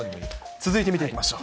続いてみていきましょう。